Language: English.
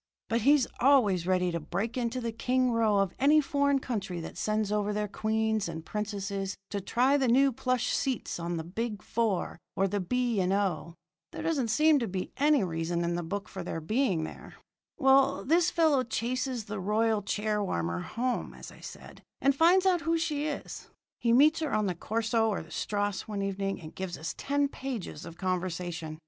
But he's always ready to break into the king row of any foreign country that sends over their queens and princesses to try the new plush seats on the Big Four or the B. and O. There doesn't seem to be any other reason in the book for their being here. "Well, this fellow chases the royal chair warmer home, as I said, and finds out who she is. He meets her on the corso or the strasse one evening and gives us ten pages of conversation.